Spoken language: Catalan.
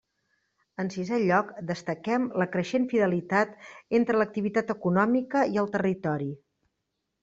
En sisé lloc, destaquem la creixent fidelitat entre l'activitat econòmica i el territori.